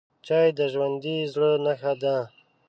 چای د ژوندي زړه نښه ده